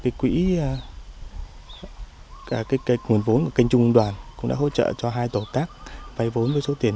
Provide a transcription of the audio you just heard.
cái quỹ cái nguồn vốn của kênh trung đoàn cũng đã hỗ trợ cho hai tổ tác vay vốn với số tiền